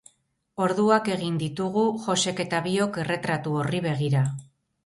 Orduak egin ditugu Joxek eta biok erretratu horri begira.